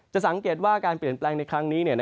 สังเกตว่าการเปลี่ยนแปลงในครั้งนี้